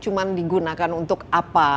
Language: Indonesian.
cuma digunakan untuk apa